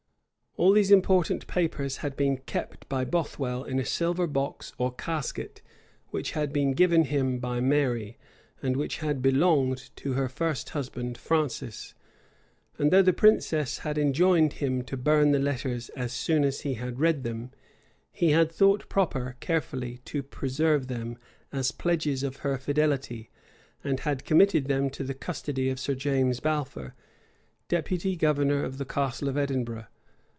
All these important papers had been kept by Bothwell in a silver box or casket, which had been given him by Mary, and which had belonged to her first husband, Francis; and though the princess had enjoined him to burn the letters as soon as he had read them, he had thought proper carefully to preserve them, as pledges of her fidelity, and had committed them to the custody of Sir James Balfour, deputy governor of the Castle of Edinburgh.